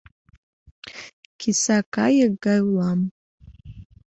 Киса кайык гай улам.